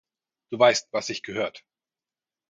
Du weisst was sich gehört.